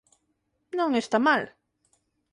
Non está mal.